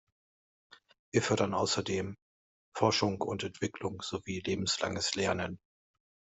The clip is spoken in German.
Wir fördern außerdem Forschung und Entwicklung sowie lebenslanges Lernen.